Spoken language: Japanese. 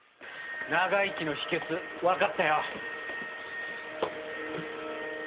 長生きの秘訣分かったよ。